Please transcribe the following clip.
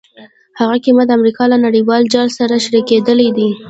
هغه قیمت د امریکا له نړیوال جال سره شریکېدل دي.